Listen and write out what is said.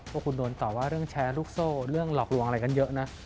พวกคุณโดนต่อว่าเรื่องแชร์ลูกโซ่เรื่องหลอกลวงอะไรกันเยอะนะ